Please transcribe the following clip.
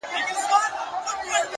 پوهه د شکونو تیاره رڼوي,